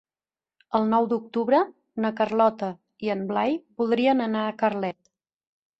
El nou d'octubre na Carlota i en Blai voldrien anar a Carlet.